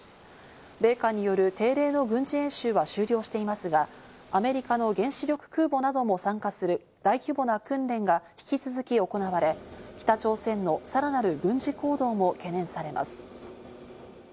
米韓による定例の軍事演習が終了していますが、アメリカの原子力空母なども参加する大規模な訓練が引き続き行われ、北朝鮮のさらなる軍事行動も懸念されます。